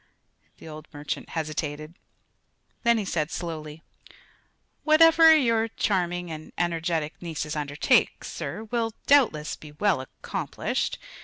The old merchant hesitated. Then he said slowly: "Whatever your charming and energetic nieces undertake, sir, will doubtless be well accomplished.